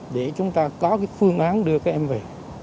để chúng ta có cái phương án đưa các em về